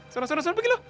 suruh suruh suruh pergi lu